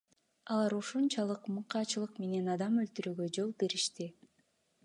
Алар ушунчалык мыкаачылык менен адам өлтүрүүгө жол беришти.